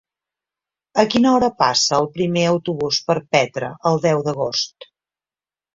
A quina hora passa el primer autobús per Petra el deu d'agost?